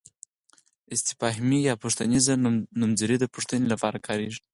استفهامي یا پوښتنیز نومځري د پوښتنې لپاره کاریږي.